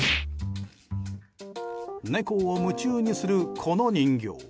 猫を夢中にする、この人形。